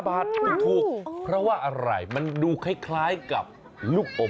บาทถูกเพราะว่าอะไรมันดูคล้ายกับลูกอม